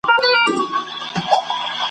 شګوفې مو لکه اوښکي د خوښیو ,